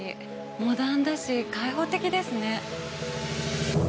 モダンだし、開放的ですね。